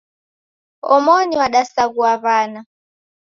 Omoni wadasaghua wana.